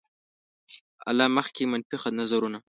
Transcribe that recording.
له مخکې منفي نظرونه.